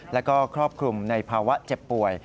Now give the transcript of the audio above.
แล้วก็ครอบคลุมในภาวะเจ็บป่วย